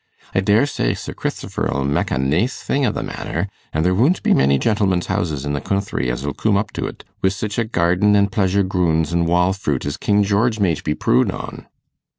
I dare sey Sir Cristhifer'll meck a naice thing o' the Manor, an' there woon't be many gentlemen's houses i' the coonthry as'll coom up to't, wi' sich a garden an' pleasure groons an' wall fruit as King George maight be prood on.